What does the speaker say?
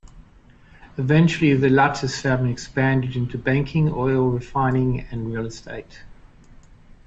Eventually the Latsis family expanded into banking, oil refining and real estate.